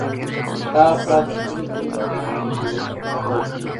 دا افراد د خپلې کورنۍ د ګېډې مړولو لپاره مجبور دي